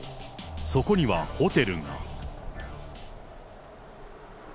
そこにはホテルが。